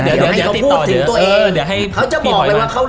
เดี๋ยวให้เขาพูดถึงตัวเองเขาจะบอกเลยว่าเขา